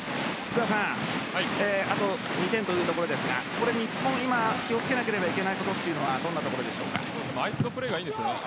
あと２点というところですが日本気を付けなければいけないことは相手のプレーがいいんですよね。